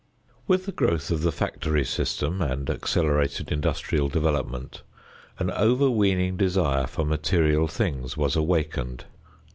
With the growth of the factory system and accelerated industrial development, an overweening desire for material things was awakened.